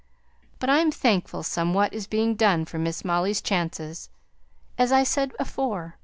But I'm thankful somewhat is being done for Miss Molly's chances, as I said afore.